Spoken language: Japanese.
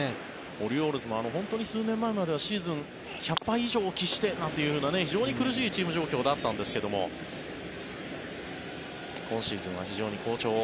オリオールズも数年前まではシーズン１００敗以上を喫してという非常に苦しいチーム状況だったんですが今シーズンは非常に好調。